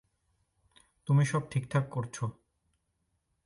তুমি সব ঠিকঠাক করছ।